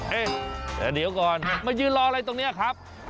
เดี๋ยวก่อนมายืนรออะไรตรงนี้ครับ